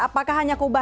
apakah hanya kubah